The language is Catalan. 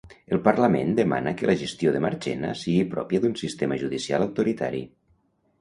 El parlament demana que la gestió de Marchena sigui pròpia d'un sistema judicial autoritari.